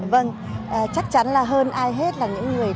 vâng chắc chắn là hơn ai hết là những người